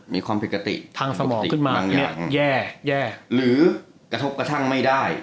มีความผิดปกติทางสมองขึ้นมาแย่หรือกระทบกระทั่งไม่ได้